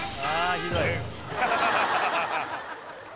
ひどい